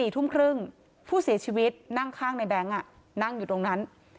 ๔ทุ่มครึ่งผู้เสียชีวิตนั่งข้างในแบงค์นั่งอยู่ตรงนั้น